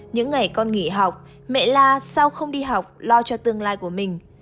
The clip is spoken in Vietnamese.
những ngày con nghỉ học mẹ la sao không đi học lo cho tương lai của mình